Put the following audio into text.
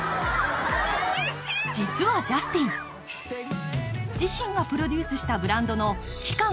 実はジャスティン、自身がプロデュースしたブランドの期間